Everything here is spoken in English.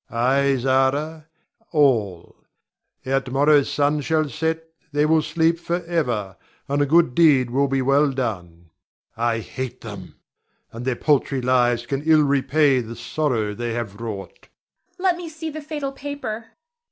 Ay, Zara, all; ere to morrow's sun shall set they will sleep forever, and a good deed will be well done. I hate them, and their paltry lives can ill repay the sorrow they have wrought. Zara. Let me see the fatal paper.